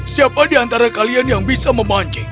siapa di antara kalian yang bisa memancing